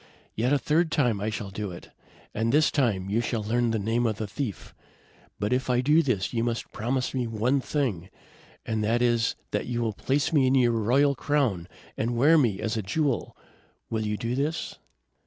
Yet a third time I shall do it, and this time you shall learn the name of the thief. But if I do this, you must promise me one thing, and that is that you will place me in your royal crown and wear me as a jewel. Will you do this?"